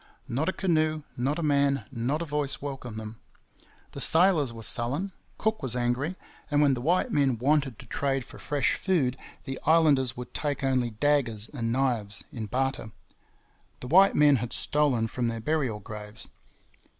Not a canoe, not a man, not a voice, welcomed them. The sailors were sullen; Cook was angry; and when the white men wanted to trade for fresh food, the islanders would take only daggers and knives in barter. The white men had stolen from their burial graves.